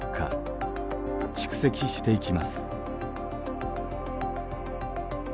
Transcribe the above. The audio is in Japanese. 蓄積していきます。